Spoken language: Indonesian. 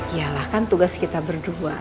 iyalah kan tugas kita berdua